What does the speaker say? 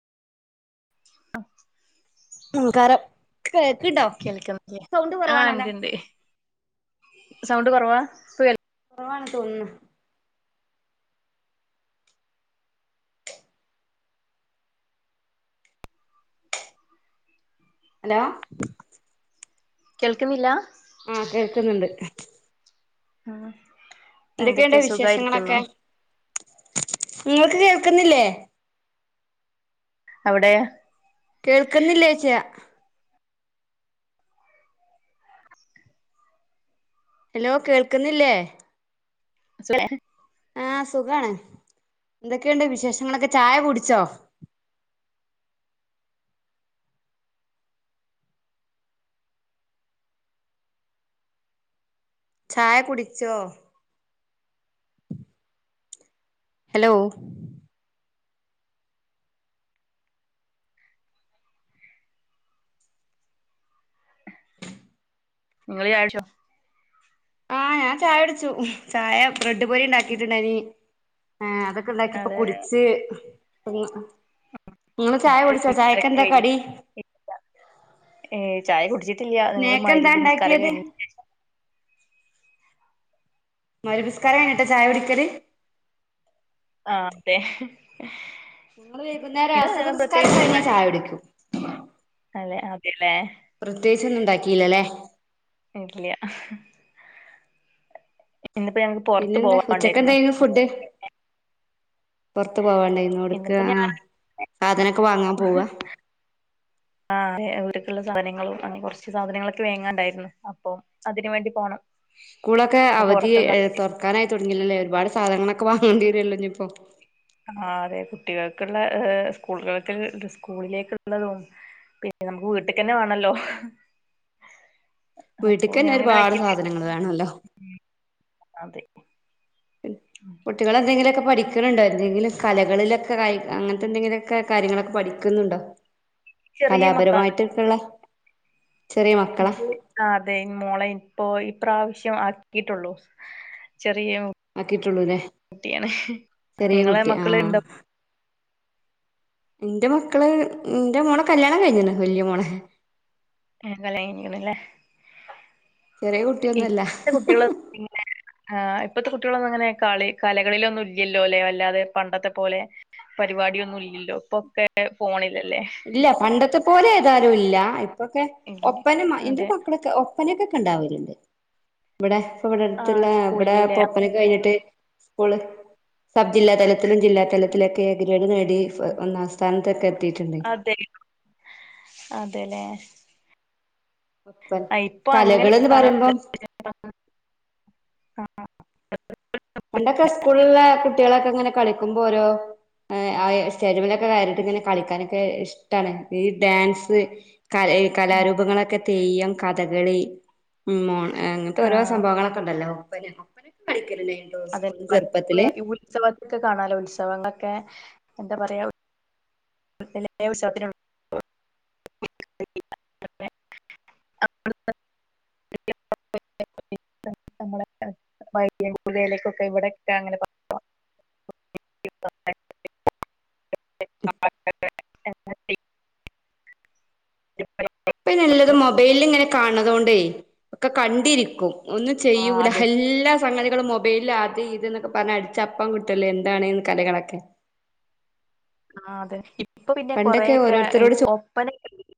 അ മ് കാരം കേക്കുന്നുണ്ടോ കേൾക്കുന്നില്ലേ സൗണ്ട് ആഹ് കുറവാണല്ലേ ഇണ്ട്ണ്ട് സൗണ്ട് കുറവാ ഇപ്പ കുറവാണ് തോന്നുന്നു ഹലോ കേൾക്കുന്നില്ല ആഹ് കേൾക്കുന്നുണ്ട് ആഹ് എന്തൊക്കെയുണ്ട് വിശേഷങ്ങളൊക്കെ നിങ്ങൾക്ക് കേൾക്കുന്നില്ലേ അവിടെയൊ കേൾക്കുന്നില്ലേയ ച്ചയാ ഹലോ കേൾക്കുന്നില്ലേ സുഖല്ലേ ആഹ് സുഖമാണ് എന്തൊക്കെയുണ്ട് വിശേഷങ്ങളൊക്കെ ചായ കുടിച്ചോ ചായ കുടിച്ചോ ഹലോ നിങ്ങള് ചായ കുടിച്ചോ ആഹ് ഞാൻ ചായ കുടിച്ചു ചായ ബ്രെഡ് പൊരി ഉണ്ടാക്കിയുണ്ടായിരുന്നു ആഹ് അതൊക്കെ ഉണ്ടാക്കി ഇപ്പൊ അതെ കുടിച്ച് നിങ്ങള് ചായ കുടിച്ചോ ചായക്കെന്താ കടി ഏ ചായ കുടിച്ചിട്ടില്ല നങ്ങൾ സ്നേക്ക് എന്താ മഖറിബ് നിസ്കാരൊക്കെ ഉണ്ടാക്കിയത് കഴിഞ്ഞശേഷം മഹരിബ് നിസ്കാരം കഴിഞ്ഞിട്ടാ ചായ കുട്ടിക്കല് ആഹ് അതെ ഞങ്ങൾ വൈകുന്നേരം ഇത് അസർ നിസ്കാരം പ്രത്യേകിച്ച് കഴിഞ്ഞാൽ ചായ കുടിക്കും അതെ അതെല്ലേ പ്രത്യേകിച്ച് ഒന്നും ഉണ്ടാക്കിയില്ലല്ലേ ഇല്യ [unintelligible] പിന്നെന്താ ഉച്ചക്ക പോവാണ്ടായിരുന്നു എന്തായിരുന്നു ഫുഡ് പുറത്ത് പോവാൻ ഉണ്ടായിരുന്നു ഒരുക്ക് ഇന്നിപ്പോ ങാ ഞാൻ സാധനൊക്കെ വാങ്ങാൻ പോവുവാ ആഹ് ഇവർക്ക് ഉള്ള സാധനങ്ങളും അങ്ങനെ കുറച്ച് സാധനങ്ങളൊക്കെ വാങ്ങാൻ ഉണ്ടായിരുന്നു അപ്പൊ അതിന് വേണ്ടി പോണം സ്കൂളൊക്കെ അപ്പൊ അവധി് പുറത്തുന്ന് തുറക്കാനായി തുടങ്ങിയില്ലേ ഒരുപാട് സാധനങ്ങളൊക്കെ വാങ്ങേണ്ടി വരുല്ലോ ഇനിയിപ്പോ ആഹ് അതെ കുട്ടികൾക്കുള്ള ഹ് സ്കൂളുകൾക്ക് സ്കൂളിലേക്കുള്ളതും പിന്നെ നമുക്ക് വീട്ടക്ക്ന്നെ വേണല്ലോ അപ്പൊ വീട്ടക്ക് തന്നെ ഞങ്ങളിങ്ങനെ ഒരുപാട് ആഴ്ചയില് സാധനങ്ങൾ വേണല്ലോ അതെ കുട്ടികളെന്തെങ്കിലൊക്കെ പഠിക്കുന്നുണ്ടോ എന്തെങ്കിലും കലകളിലൊക്കെ ക അങ്ങനത്തെ എന്തെങ്കിലുമൊക്കെ കാര്യങ്ങളൊക്കെ പഠിക്കുന്നുണ്ടോ ചെറിയ മക്കളാണ് കലാപരമായിട്ടൊക്കെയുള്ള ചെറിയ [inaudible] മക്കളെ ആഹ അതെ മോളെ ഇപ്പോൊ ഈ പ്രാവശ്യം ആക്കിയിട്ടുള്ളു ചെറിയ ആക്കിയിട്ടുള്ളൂല്ലേ കുട്ടിയ ചെറിയ നിങ്ങളെ കുട്ടി മക്കള് ഇ ആഹ് എന്റെ മക്കള് എന്റെ മോളെ കല്യാണം കഴിഞ്ഞന്ന് വല്യ മോളെ കലനിക്കന്നല്ലേ ചെറിയ കുട്ടിയൊന്നുംല്ല ഇപ്പത്തെ കുട്ടികൾ ആ് ഇപ്പഴത്തെ കുട്ടികളൊന്നും അങ്ങനെ കളി കലകളിലൊന്നും ഇല്ലല്ലോ അല്ലെ അല്ലാതെ പണ്ടത്തെ പോലെ പരിപാടിയൊന്നും ഇല്ലല്ലോ ഇപ്പൊക്കെ ഫോണില്ലല്ലേ ഇല്ല പണ്ടത്തെ പോലെ ഏതാലും ഇല്ല ഇപ്പൊക്കെ ഇല്ല ഒപ്പന എന്റെ അതെ മക്കളൊക്കെ പപ്പനൊക്കെ കണ്ടാവലുണ്ട് ഇവിടെ ഇ ഇവിടെ ആ അടുത്തുള്ള ഇവിടെൊ സ്കൂളിലല്ലേ അപ്പന കഴിഞ്ഞിട്ട് സ്കൂള് സബ് ജില്ലാ തലത്തിലും ജില്ലാ തലത്തിലൊക്കെ ഗ്രേഡ് നേടി ഒന്നസ്ഥാനത്തൊക്കെ എത്തിയിട്ടുണ്ട് അതെ അതെല്ലേ ഒപ്പന ആഹ ഇപ്പൊ അങ്ങനെയക്ക കലകൾന്ന് കാണ പറയുമ്പം ആഹ പണ്ടൊക്കെ സ്കൂളില കുട്ടികളൊക്കെ ഇങ്ങനെ കളിക്കുമ്പോൾ ഓരോ ശരിമില [inaudible] കയട്ട് ഇങ്ങനെ കളിക്കാനൊക്കെ ഇഷ്ടമാണ് ഈ ഡാൻസ് കലഈ കലാരൂപങ്ങളൊക്കെ തെയ്യം കഥകളി ഉ മോ അങ്ങനത്തെ ആ ഓരോ സംഭവങ്ങളൊക്കെ ഉണ്ടല്ലോ ഉപ്പനപ്പ പഠിക്കലൻ [inaudible] സ്കൂളും ചെറുപ്പത്തില് ഉത്സവത്തൊക്കെ കാണാലോ ഉത്സവങ്ങളൊക്കെ എന്താ പറയാ [inaudible] [inaudible] നമ്മള വൈദ്യ പൂജയിലേക്കൊക്കെ ഇവിടെക്കെ അങ്ങനെ [inaudible] [inaudible] [inaudible] ഇപ്പൊ നല്ലത് മൊബൈലിൽ ഇങ്ങനെ കാണത് കൊണ്ടേ ഒക്കെ കണ്ടിരിക്കും ഒന്നും ആ ചെയ്യൂല അതെ എല്ലാ സംഗതികും മൊബൈലിൽ ആദ്യ ഇത് എന്നൊക്കെ പറഞ്ഞാഞ് അടിച്ചപ്പം കിട്ടല്ലോ എന്താണ്ന്ന് കലകളൊക്കെ ആഹ അതെ ഇപ്പൊ പിന്നെ പണ്ടൊക്കെ ഓരോരുത്തരോട് കൊറെയൊക്കെ ഒപ്പനൊക്കെ